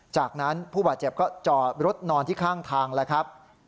จากนั้นผู้บาดเจ็บก็จอดรถนอนที่ข้างทางแล้วครับ